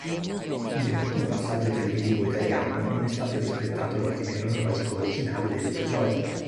Nel primo passaggio televisivo italiano, non è stato rispettato l'ordine cronologico originale degli episodi.